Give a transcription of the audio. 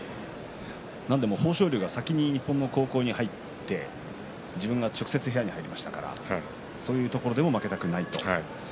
何でも豊昇龍が先に日本の高校に入って自分が直接部屋に入りましたからそういうところでも負けたくないと。